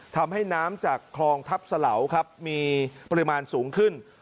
ทำให้น้ำจากคลองทัพสะเหลาครับมีปริมาณสูงขึ้น